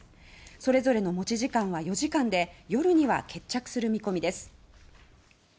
それぞれの持ち時間は４時間で夜には決着する見込みです。